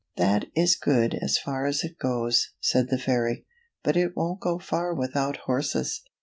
" That is good as far as it goes," said the fairy; " but it won't go far without horses.